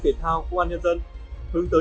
thể thao công an nhân dân hướng tới